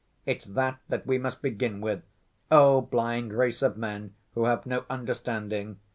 It's that, that we must begin with. Oh, blind race of men who have no understanding!